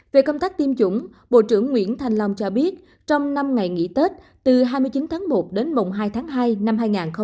về công tác tiêm chủng bộ trưởng nguyễn thanh long cho biết trong năm ngày nghỉ tết từ hai mươi chín tháng một đến mùng hai tháng hai năm hai nghìn hai mươi